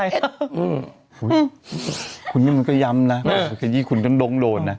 อุ๊ยคุณนี่มันก็ยำนะมันก็ยิ่งคุณกันโดนนะ